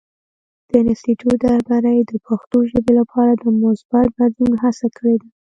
د انسټیټوت رهبرۍ د پښتو ژبې لپاره د مثبت بدلون هڅه کړې ده.